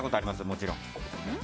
もちろん。